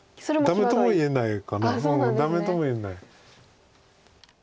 ダメとも言えない。